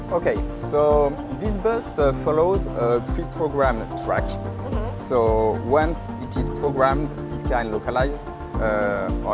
jadi setelah diprogram bisa dikelilingi di semua jalan ini